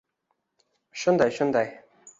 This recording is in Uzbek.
— Shunday, shunday.